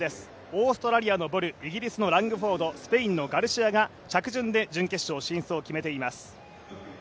オーストラリアのボル、イギリスのラングフォードスペインのガルシアが着順で準決勝進出を決めています。